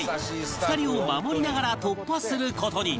２人を守りながら突破する事に